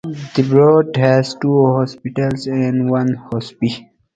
The borough has two hospitals and one hospice.